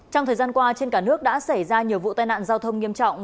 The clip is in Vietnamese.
trong thời gian qua trên cả nước đã xảy ra nhiều vụ tai nạn giao thông nghiêm trọng